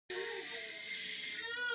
ويې ويل بخښه کوه.